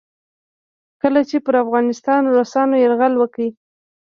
کله چې پر افغانستان روسانو یرغل وکړ.